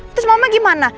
terus mama gimana